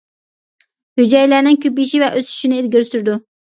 ھۈجەيرىلەرنىڭ كۆپىيىشى ۋە ئۆسۈشىنى ئىلگىرى سۈرىدۇ.